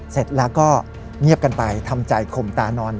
เสร็จแล้วก็เงียบกันไปทำใจข่มตานอน